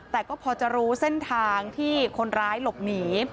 แต่ก็พอจะรู้เส้นทางที่คนร้ายหลบหนี